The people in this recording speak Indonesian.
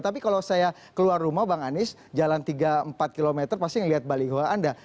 tapi kalau saya keluar rumah bang anies jalan tiga empat km pasti ngeliat baliho anda